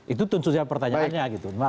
itu tentu saja pertanyaannya